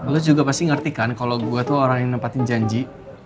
lo juga pasti ngerti kan kalau gue tuh orang yang nempatin janji